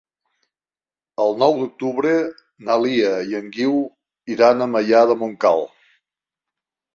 El nou d'octubre na Lia i en Guiu iran a Maià de Montcal.